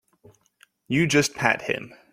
You just pat him.